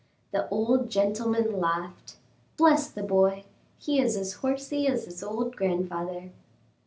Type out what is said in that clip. The old gentleman laughed. "Bless the boy! he is as horsey as his old grandfather."